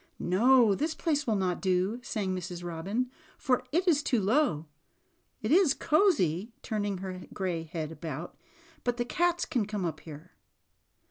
"No, this place will not do," sang Mrs. Robin, "for it is too low. It is cozy," turn ing her gray head about, "but the cats can come up here."